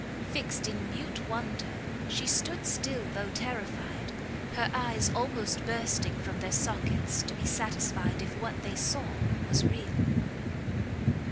Fixed in mute wonder, she stood still though terrified, her eyes almost bursting from their sockets to be satisfied if what they saw was real.